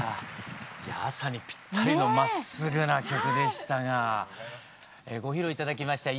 いや朝にぴったりのまっすぐな曲でしたがご披露頂きました「一里塚」